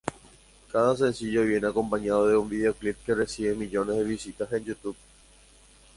Cada sencillo viene acompañado de un videoclip que recibe millones de visitas en Youtube.